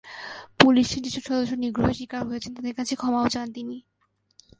পুলিশের যেসব সদস্য নিগ্রহের শিকার হয়েছেন, তাঁদের কাছে ক্ষমাও চান তিনি।